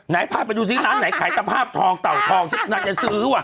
นายพ่าดูซิร้านไหนขายทรภาพทองเต่าทองน่าจะซื้อหว่ะ